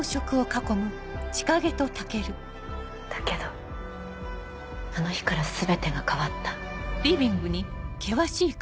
だけどあの日から全てが変わった。